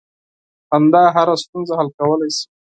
• خندا هره ستونزه حل کولی شي.